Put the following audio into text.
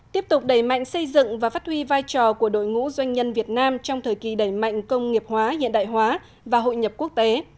tiếp tục đẩy mạnh xây dựng và phát huy vai trò của đội ngũ doanh nhân việt nam trong thời kỳ đẩy mạnh công nghiệp hóa hiện đại hóa và hội nhập quốc tế